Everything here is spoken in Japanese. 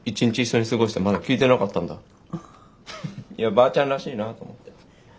ばあちゃんらしいなと思って。